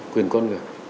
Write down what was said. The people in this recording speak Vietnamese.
quyền con người